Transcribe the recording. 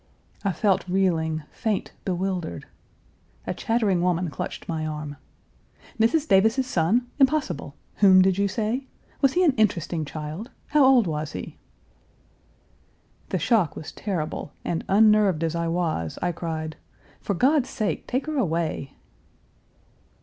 I felt reeling, faint, bewildered. A chattering woman clutched my arm: "Mrs. Davis's son? Impossible. Whom did you say? Was he an interesting child? How old was he?" The shock was terrible, and unnerved as I was I cried, "For God's sake take her away!"